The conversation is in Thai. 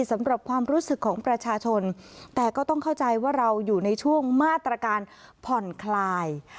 สำหรับความรู้สึกของประชาชนแต่ก็ต้องเข้าใจว่าเราอยู่ในช่วงมาตรการผ่อนคลาย